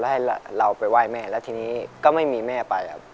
ให้เราไปไหว้แม่แล้วทีนี้ก็ไม่มีแม่ไปครับ